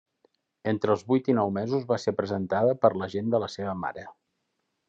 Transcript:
Entre els vuit i nous mesos va ser presentada per l'agent de la seva mare.